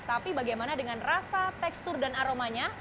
tapi bagaimana dengan rasa tekstur dan aromanya